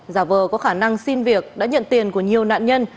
giả vờ có khả năng xin việc đã nhận tiền của nhiều nạn nhân